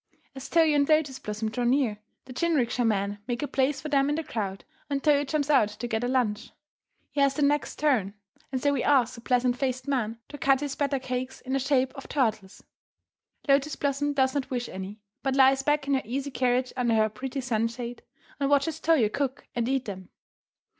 As Toyo and Lotus Blossom draw near, the jinrikisha men make a place for them in the crowd, and Toyo jumps out to get a lunch. He has the next turn, and so he asks the pleasant faced man to cut his batter cakes in the shape of turtles. Lotus Blossom does not wish any, but lies back in her easy carriage under her pretty sunshade, and watches Toyo cook and eat them.